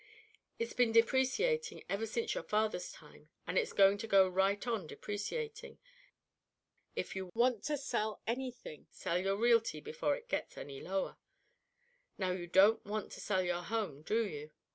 It's been depreciating ever since your father's time, and it's going to go right on depreciating. If you want to sell anything, sell your realty before it gets any lower. Now you don't want to sell your home, do you?